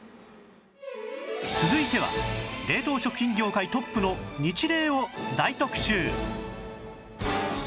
続いては冷凍食品業界トップのニチレイを大特集！